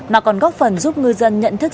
mà còn góp phần giúp ngư dân nhận thức